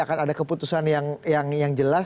akan ada keputusan yang jelas